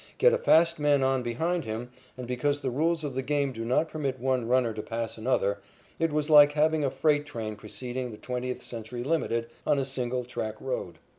Get a fast man on behind him and, because the rules of the game do not permit one runner to pass another, it was like having a freight train preceding the Twentieth Century Limited on a single track road.